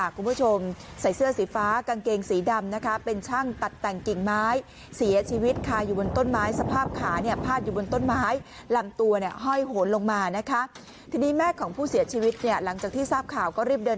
คุณผู้ชมใส่เสื้อสีฟ้ากางเกงสีดำเป็นช่างตัดแต่งกิ่งไม้